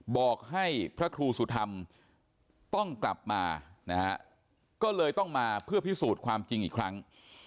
บอกให้พระครูสุธรรมต้องกลับมานะฮะก็เลยต้องมาเพื่อพิสูจน์ความจริงอีกครั้ง